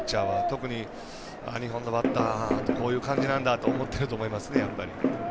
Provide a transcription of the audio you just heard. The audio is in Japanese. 特に日本のバッターってこういう感じなんだって思ってると思いますね、やっぱり。